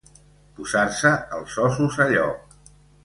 Posar-se els ossos a lloc.